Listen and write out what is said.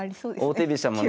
王手飛車もね。